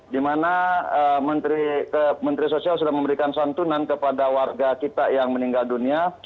di mana menteri sosial sudah memberikan santunan kepada warga kita yang meninggal dunia